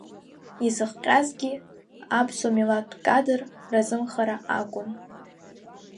Изыхҟьазгьы, аԥсуа милаҭтә кадр разымхара акәын.